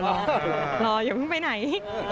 รออย่าเพิ่งไปไหน